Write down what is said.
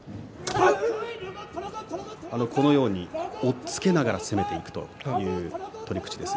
押っつけながら攻めていくという取り口です。